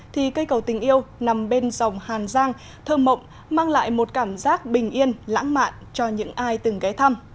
thì cây cầu tình yêu nằm bên dòng hàn giang thơm mộng mang lại một cảm giác bình yên lãng mạn cho những ai từng ghé thăm